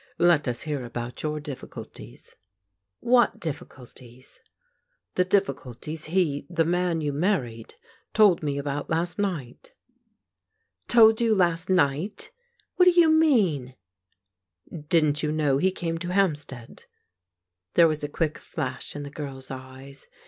" Let CIS hear about your difficulties." ''What difficulties?" " The difficulties he — the man — ^you married — told me about last night." Told you last night f What do you mean ?"Didn't you know he came to Hampstead ?" There was a quick flash in the girl's eyes.